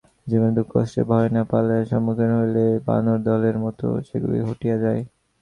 জীবনের দুঃখ-কষ্টের ভয়ে না পলাইয়া সম্মুখীন হইলেই বানরদলের মত সেগুলি হটিয়া যায়।